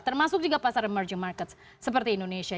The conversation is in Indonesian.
termasuk juga pasar emerging markets seperti indonesia